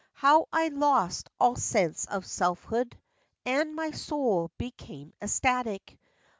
How I lost all sense of selfhood, And my soul became ecstatic!